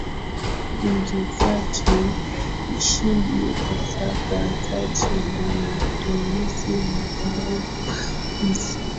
uingizaji nchini usambazaji na matumizi wa dawa hizo